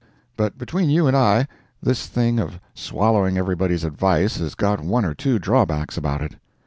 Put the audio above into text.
But between you and I, this thing of swallowing everybody's advice has got one or two drawbacks about it.